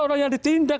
orang yang ditindak